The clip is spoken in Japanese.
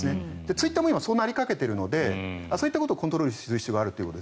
ツイッターもそうなりかけているのでそういったところをコントロールする必要があると。